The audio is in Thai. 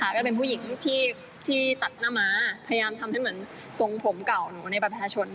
ก็เป็นผู้หญิงที่ตัดหน้าม้าพยายามทำให้เหมือนทรงผมเก่าหนูในประชาชน